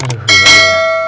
aduh ya tuhan